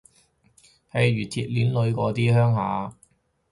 譬如鐵鍊女嗰啲鄉下